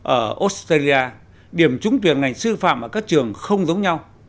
ở australia điểm trúng tuyển ngành sư phạm ở các trường không giống nhau